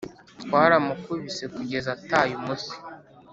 Twaramukubise kugeza ataye umutwe